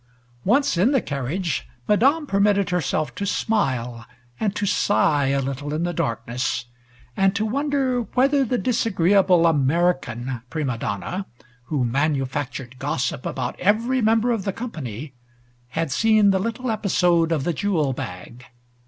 Once in the carriage, Madame permitted herself to smile and to sigh a little in the darkness, and to wonder whether the disagreeable American prima donna, who manufactured gossip about every member of the company, had seen the little episode of the jewel bag.